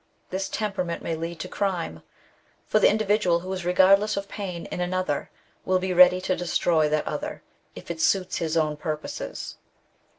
This temperament may lead to crime, for the individual who is regardless of pain in another, will be ready to destroy that other, if it suit his own purposes.